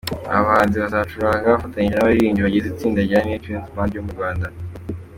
Aba bahanzi bazacuranga bafatanyije n’abaririmbyi bagize itsinda rya Neptunez Band ryo mu Rwanda.